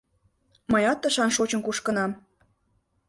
Мыят тышан шочын-кушкынам.